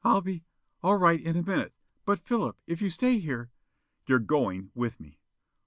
"I'll be all right in a minute. But Philip, if you stay here " "You're going with me!"